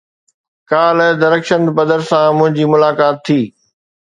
ڪالهه درخشند بدر سان منهنجي ملاقات ٿي